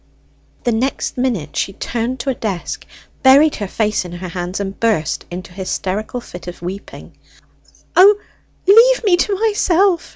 The next minute she turned to a desk, buried her face in her hands, and burst into a hysterical fit of weeping. "O, leave me to myself!"